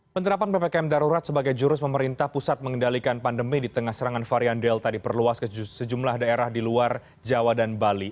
penerapan ppkm darurat sebagai jurus pemerintah pusat mengendalikan pandemi di tengah serangan varian delta diperluas ke sejumlah daerah di luar jawa dan bali